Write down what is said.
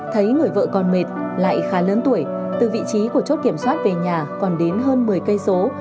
thấy người vợ còn mệt lại khá lớn tuổi từ vị trí của chốt kiểm soát về nhà còn đến hơn một mươi cây số